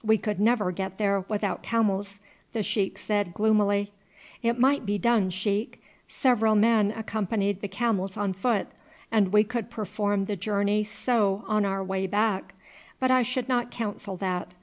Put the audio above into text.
"We could never get there without camels," the sheik said gloomily. "It might be done, sheik. Several men accompanied the camels on foot, and we could perform the journey so on our way back; but I should not counsel that.